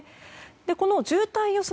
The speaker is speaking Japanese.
この渋滞予測